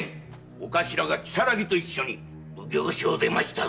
お頭が如月と一緒に奉行所を出ましたぞ。